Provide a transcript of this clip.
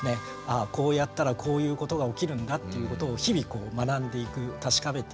あこうやったらこういうことが起きるんだということを日々学んでいく確かめていく。